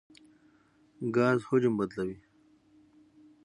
ګاز حجم بدلوي.